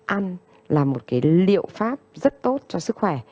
ăn là một cái liệu pháp rất tốt cho sức khỏe